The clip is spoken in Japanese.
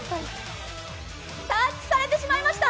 タッチされてしまいました。